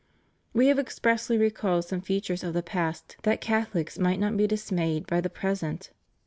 We have expressly recalled some features of the past that CathoHcs might not be dismayed by the present.